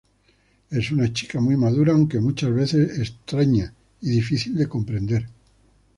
Es una chica muy madura aunque muchas veces extraña y difícil de comprender.